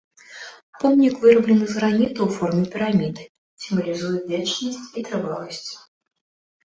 Помнік выраблены з граніту ў форме піраміды, сімвалізуе вечнасць і трываласць.